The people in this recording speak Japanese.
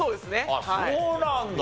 あっそうなんだ。